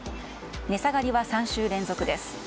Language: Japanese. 値下がりは３週連続です。